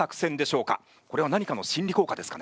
これは何かの心理効果ですかね？